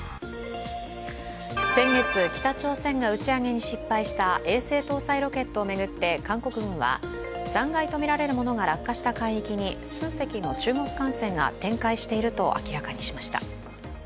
先月、北朝鮮が打ち上げに失敗した衛星搭載ロケットを巡って韓国軍は、残骸とみられるものが落下した海域に数隻の中国艦船が展開していると明らかにしました。